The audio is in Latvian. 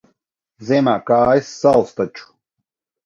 Ziemā kājas sals taču.